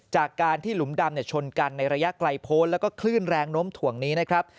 จากการที่หลุมดำชนกันในระยะไกลพ้นแล้วก็คลื่นแรงน้มถ่วงนี้นะครับ